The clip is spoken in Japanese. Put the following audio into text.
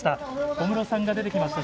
小室さんが出てきました。